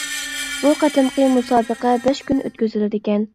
بۇ قېتىمقى مۇسابىقە بەش كۈن ئۆتكۈزۈلىدىكەن.